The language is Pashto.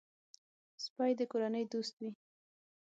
سپي د کورنۍ دوست وي.